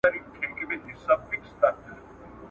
«ښځه» د ده ښخه جوړه شوه